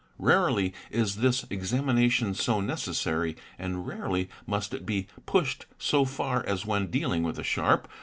Rarely is this examination so necessary and rarely must it be pushed so far as when dealing with a sharp.